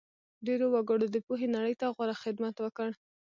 ډېرو وګړو د پوهې نړۍ ته غوره خدمت وکړ.